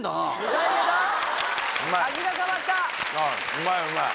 うまいうまい。